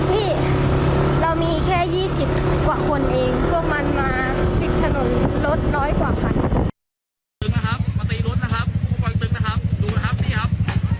พี่เรามีแค่ยี่สิบกว่าคนเองก็มันมาปิดถนนรถร้อยกว่าคัน